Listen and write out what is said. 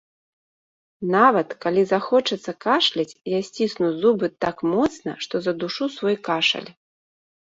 Нават, калі захочацца кашляць, я сцісну зубы так моцна, што задушу свой кашаль.